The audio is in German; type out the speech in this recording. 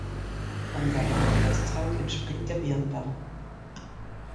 An seinem Nordwesthang entspringt der Birnbach.